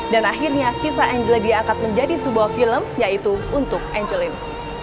dan akhirnya kisah angeline diangkat menjadi sebuah film yaitu untuk angeline